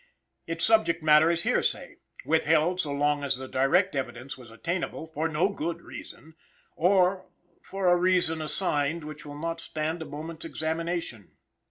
Its subject matter is hearsay, withheld, so long as the direct evidence was attainable, for no good reason, or for a reason assigned which will not stand a moment's examination.